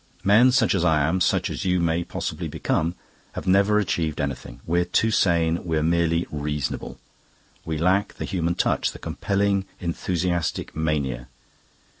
"Men such as I am, such as you may possibly become, have never achieved anything. We're too sane; we're merely reasonable. We lack the human touch, the compelling enthusiastic mania.